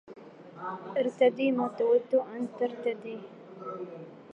ارتدي ما تود أن ترتديه.